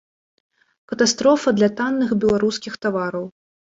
Катастрофа для танных беларускіх тавараў.